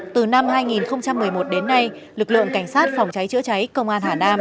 từ năm hai nghìn một mươi một đến nay lực lượng cảnh sát phòng cháy chữa cháy công an hà nam